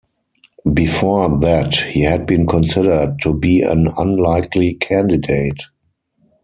Before that, he had been considered to be an unlikely candidate.